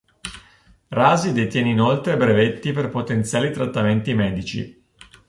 Rasi detiene inoltre brevetti per potenziali trattamenti medici.